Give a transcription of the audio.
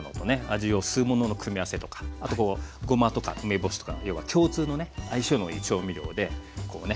味を吸うものの組み合わせとかあとごまとか梅干しとか要は共通のね相性のいい調味料でこうね